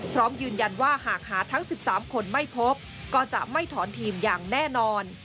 พร้อมยืนยันว่าหากหาทั้ง๑๓คนไม่พบก็จะไม่ถอนทีมอย่างแน่นอน